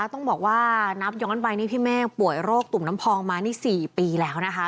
ต้องบอกว่านับย้อนไปนี่พี่เมฆป่วยโรคตุ่มน้ำพองมานี่๔ปีแล้วนะคะ